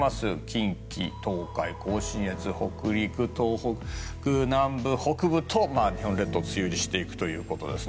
近畿、東海、甲信越、北陸東北南部、北部と日本列島梅雨入りしていくということです。